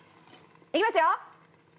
いきますよ！